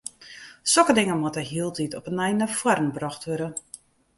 Sokke dingen moatte hieltyd op 'e nij nei foaren brocht wurde.